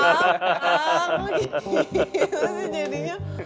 gitu sih jadinya